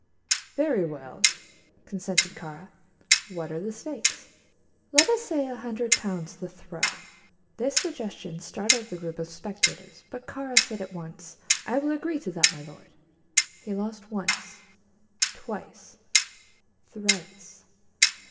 "Very well," consented Kāra. "What are the stakes?" "Let us say a hundred pounds the throw." This suggestion startled the group of spectators; but Kāra said at once: "I will agree to that, my lord." He lost once, twice, thrice.